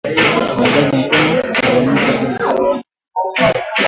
Waungaji mkono uwamuzi huo wanasherehekea kwamba